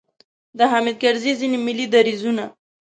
د حامد کرزي ځینې ملي دریځونو.